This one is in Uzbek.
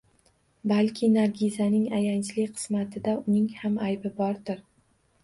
Balki Nargizaning ayanchli qismatida uning ham aybi bordir